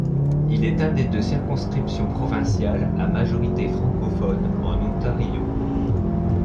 Il est un des deux circonscriptions provinciales à majorité francophone en Ontario.